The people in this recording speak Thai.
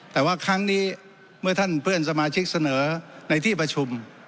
แต่ว่าครั้งนี้เมื่อท่านเพื่อนสมาชิกเสนอในที่ประชุม